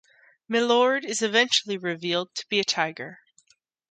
Milord is eventually revealed to be a tiger.